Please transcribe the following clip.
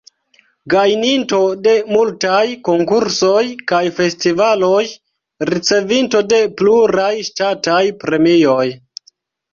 Gajninto de multaj konkursoj kaj festivaloj, ricevinto de pluraj ŝtataj premioj.